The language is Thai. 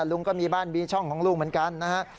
ลุงก็มีบ้านมีช่องของลูกเหมือนกันนะฮะ